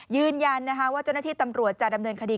ยืนยันนะคะว่าเจ้าหน้าที่ตำรวจจะดำเนินคดี